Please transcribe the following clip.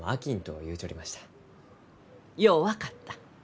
よう分かった。